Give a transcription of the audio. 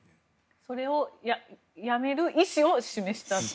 それを辞める意思を示したと。